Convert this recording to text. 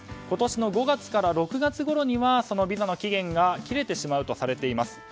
今年の５月から６月ごろにはビザの期限が切れてしまうとされています。